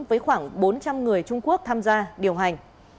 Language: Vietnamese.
với khoảng bốn trăm linh người trung quốc tham gia điều hành